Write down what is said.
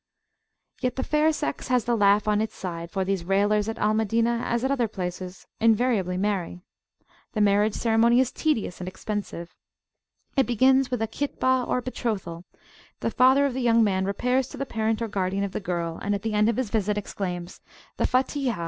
Yet the fair sex has the laugh on its side, for these railers at Al Madinah as at other places, invariably marry. The [p.23]marriage ceremony is tedious and expensive. It begins with a Khitbah or betrothal: the father of the young man repairs to the parent or guardian of the girl, and at the end of his visit exclaims, The Fatihah!